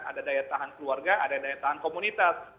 ada daya tahan keluarga ada daya tahan komunitas